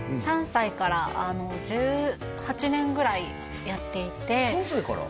３歳から１８年ぐらいやっていて３歳から？